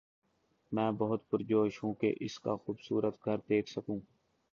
میں بہت پرجوش ہوں کہ اس کا خوبصورت گھر دیکھ سکوں